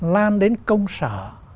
lan đến công sở